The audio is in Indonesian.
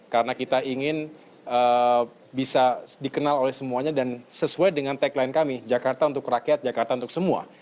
karena kita ingin bisa dikenal oleh semuanya dan sesuai dengan tagline kami jakarta untuk rakyat jakarta untuk semua